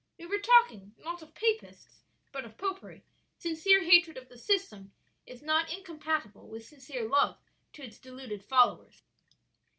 We were talking, not of Papists, but of Popery. Sincere hatred of the system is not incompatible with sincere love to its deluded followers."